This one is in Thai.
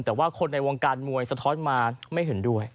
แต่ว่าคนในวงการมวยสะท้อนมาไม่เห็นด้วย